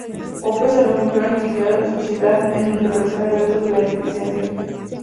Hope se refugió en actividades de sociedad en donde realizaba eventos de beneficencia.